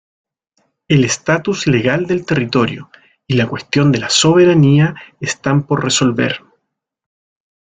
El estatus legal del territorio y la cuestión de la soberanía están por resolver.